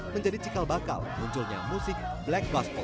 menjadi cikal bakal munculnya musik black basket